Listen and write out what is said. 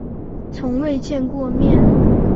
从未见过面